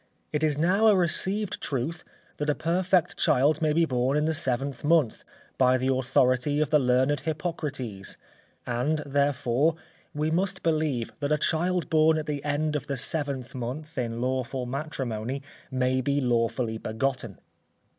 "It is now a received truth, that a perfect child may be born in the seventh month, by the authority of the learned Hippocrates; and therefore, we must believe that a child born at the end of the seventh month in lawful matrimony may be lawfully begotten."